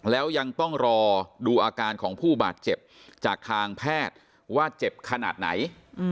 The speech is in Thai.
แล้วยังต้องรอดูอาการของผู้บาดเจ็บจากทางแพทย์ว่าเจ็บขนาดไหน